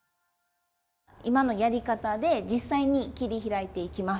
今のやり方で実際に切り開いていきます。